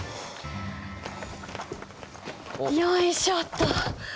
よいしょっと！